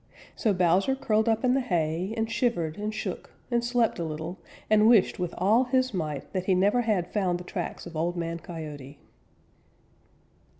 So Bowser curled up in the hay and shivered and shook and slept a little and wished with all his might that he never had found the tracks of Old Man Coyote.